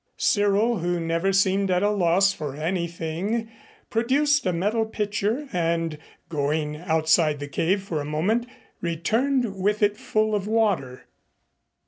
Cyril, who never seemed at a loss for anything, produced a metal pitcher and going outside the cave for a moment returned with it full of water.